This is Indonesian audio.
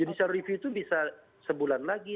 judicial review itu bisa sebulan lagi